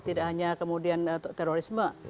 tidak hanya kemudian terorisme